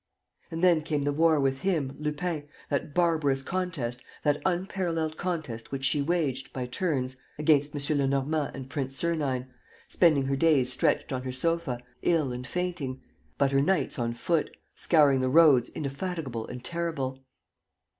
And then came the war with him, Lupin, that barbarous contest, that unparalleled contest which she waged, by turns, against M. Lenormand and Prince Sernine, spending her days stretched on her sofa, ill and fainting, but her nights on foot, scouring the roads indefatigable and terrible.